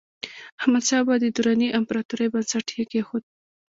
احمدشاه بابا د دراني امپراتورۍ بنسټ یې کېښود.